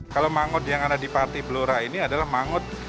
kalau mangut yang ada di parti blora ini adalah mangut